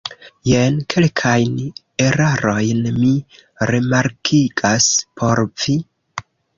Jen kelkajn erarojn mi remarkigas por vi.